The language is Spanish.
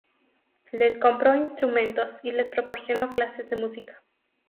Les compró instrumentos y les proporcionó clases de música.